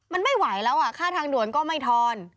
มันไม่ไหวแล้วอ่ะค่าทางด่วนก็ไม่ทอน